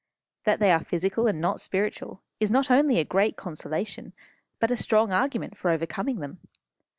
That they are physical and not spiritual is not only a great consolation, but a strong argument for overcoming them.